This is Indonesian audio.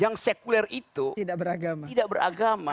yang sekuler itu tidak beragama